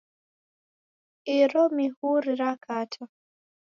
Iro mihuri rakata